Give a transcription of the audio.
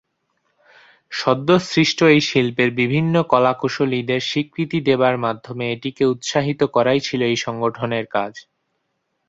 সদ্য সৃষ্ট এই শিল্পের বিভিন্ন কলাকুশলীদের স্বীকৃতি দেবার মাধ্যমে এটিকে উৎসাহিত করাই ছিলো এই সংগঠনের কাজ।